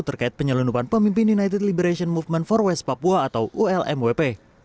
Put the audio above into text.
terkait penyelundupan pemimpin united liberation movement forwest papua atau ulmwp